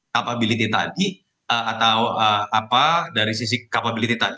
capability tadi atau apa dari sisi capability tadi